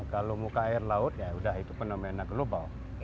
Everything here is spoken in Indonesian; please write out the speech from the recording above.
kalau muka air laut ya sudah itu fenomena global